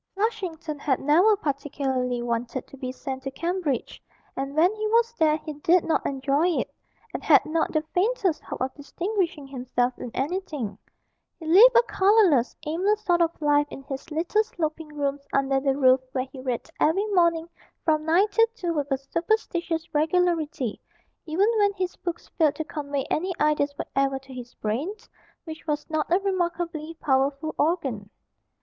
Flushington had never particularly wanted to be sent to Cambridge, and when he was there he did not enjoy it, and had not the faintest hope of distinguishing himself in anything; he lived a colourless, aimless sort of life in his little sloping rooms under the roof where he read every morning from nine till two with a superstitious regularity, even when his books failed to convey any ideas whatever to his brain, which was not a remarkably powerful organ.